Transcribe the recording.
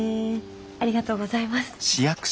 ありがとうございます。